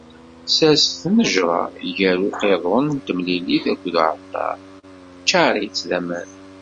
Sers tnejṛa gar uqiḍun n temlilit akked uɛalṭar, ččaṛ-itt d aman.